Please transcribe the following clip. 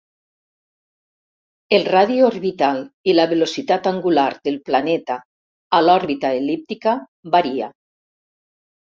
El radi orbital i la velocitat angular del planeta a l'òrbita el·líptica varia.